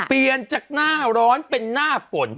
เปลี่ยนจากหน้าร้อนเป็นหน้าฝน